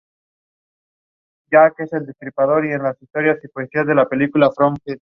Hijo de Mimi y Arthur Iger de Long Beach, Long Island.